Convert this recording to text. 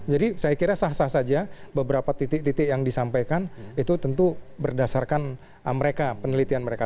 jadi saya kira sah sah saja beberapa titik titik yang disampaikan itu tentu berdasarkan mereka penelitian mereka